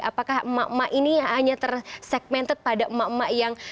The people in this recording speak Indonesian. apakah emak emak ini hanya tersegmented pada emak emak yang